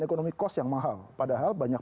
ekonomi cost yang mahal padahal banyak